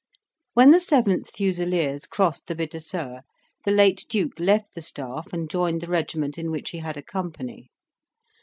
When the 7th Fusiliers crossed the Bidassoa, the late duke left the staff and joined the regiment in which he had a company.